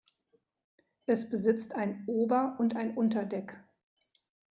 Es besitzt ein Ober- und ein Unterdeck.